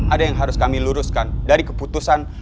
ada yang harus kami luruskan dari keputusan